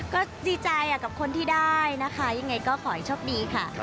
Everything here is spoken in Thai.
ก็ดีใจกับคนที่ได้นะคะยังไงก็ขอให้โชคดีค่ะ